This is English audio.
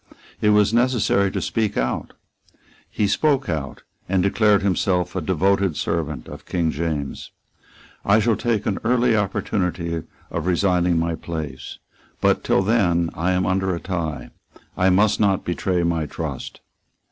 It was necessary to speak out. He spoke out, and declared himself a devoted servant of King James. "I shall take an early opportunity of resigning my place. But, till then, I am under a tie. I must not betray my trust."